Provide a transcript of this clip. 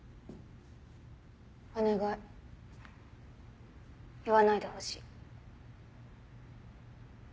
お願い言わないでほしい。